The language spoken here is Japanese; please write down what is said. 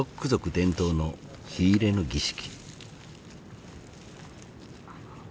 伝統の火入れの儀式。